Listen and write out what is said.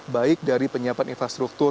baik dari penyiapan infrastruktur